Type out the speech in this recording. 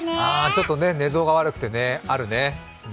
ちょっと寝相が悪くて、あるね。